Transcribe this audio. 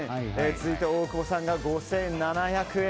大久保さんが５７００円。